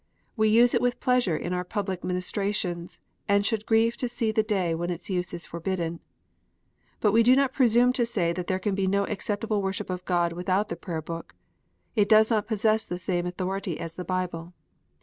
We use it witli pleasure in our public ministrations, and should grieve to see the day when its use is forbidden. But we do not presume to say there can be no acceptable worship of God without the Prayer book. It does not possess the same authority as the Bible.